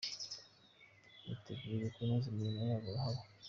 biteguye kunoza imirimo yabo haba.